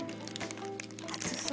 熱そう。